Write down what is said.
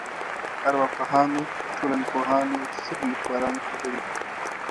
ارواپوهانو ټولنپوهانو او سترو لیکوالانو خبرې دي.